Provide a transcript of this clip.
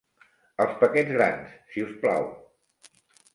Els paquets grans, si us plau.